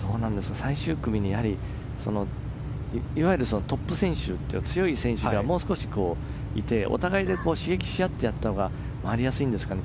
最終組にトップ選手というか、強い選手がもう少しいてお互いで刺激し合ってやったほうが回りやすいんですかね。